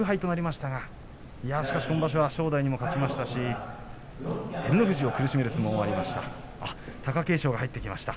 しかし、今場所は正代にも勝ちましたし、照ノ富士を苦しめる相撲もありました。